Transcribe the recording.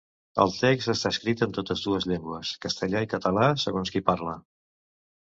El text està escrit en totes dues llengües, castellà i català, segons qui parla.